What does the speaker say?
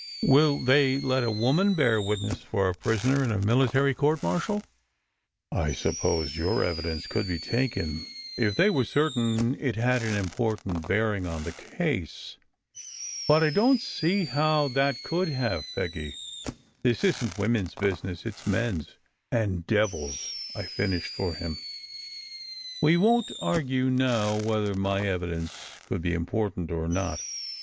Will they let a woman bear witness for a prisoner in a military court martial?" "I suppose your evidence could be taken, if they were certain it had an important bearing on the case. But I don t see how that could have, Peggy. This isn t women s business, it s men s." "And devils ," I finished for him. "We won t argue now whether my evidence could be important or not.